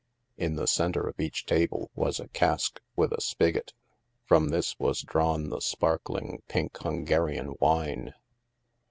In the center of each table was a cask with a spig got. From this was drawn the sparkling, pink, Hungarian wine.